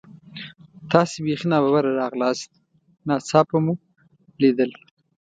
تاسې بیخي نا ببره راغلاست، ناڅاپه مو لیدل.